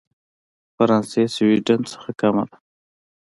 فرانسې سوېډن څخه کمه ده.